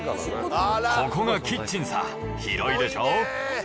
ここがキッチンさ、広いでしょ。